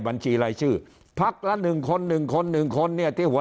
บัญชีรายชื่อพักละหนึ่งคนหนึ่งคนหนึ่งคนเนี่ยที่หัว